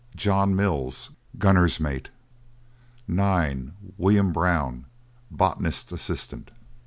JOHN MILLS, Gunner's Mate. 9. WILLIAM BROWN, Botanist's Assistant.